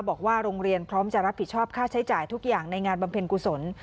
บอกว่าโรงเรียนพร้อมจะรับผิดชอบค่าใช้จ่ายทุกอย่างในงานบำเพ็ญกุศล